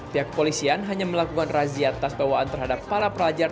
pihak kepolisian hanya melakukan razia tas bawaan terhadap para pelajar